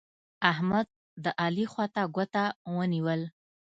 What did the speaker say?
احمد؛ د علي خوا ته ګوته ونيول.